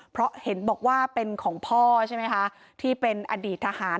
เพราะเห็นบอกว่าเป็นของพ่อใช่ไหมคะที่เป็นอดีตทหาร